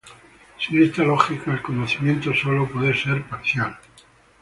Sin esta lógica, el conocimiento sólo puede ser parcial.